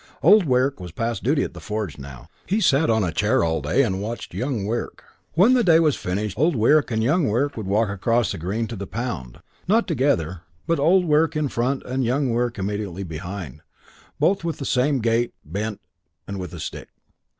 Old Wirk was past duty at the forge now. He sat on a Windsor chair all day and watched Young Wirk. When the day was finished Old Wirk and Young Wirk would walk across the Green to the pound, not together, but Old Wirk in front and Young Wirk immediately behind him; both with the same gait, bent and with a stick.